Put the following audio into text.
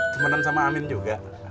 temenen sama amin juga